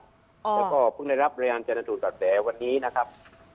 แล้วก็เพิ่งได้รับรายงานจนสูตรตัดแสวันนี้นะครับ